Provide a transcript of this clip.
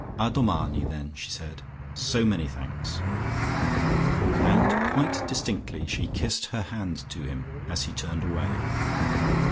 "A domani then," she said. "So many thanks." And quite distinctly she kissed her hand to him as he turned away....